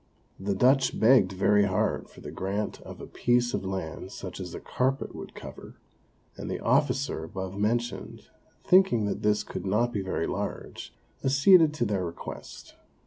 The Dutch begged very hard for the grant of a piece of land such as a carpet would cover; and the officer above mentioned, thinking that this could not be very large, acceded to their request.